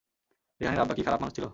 রেহানের আব্বা কি খারাপ মানুষ ছিল?